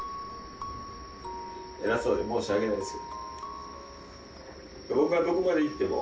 偉そうで申し訳ないです。